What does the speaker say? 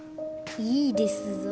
いいですぞ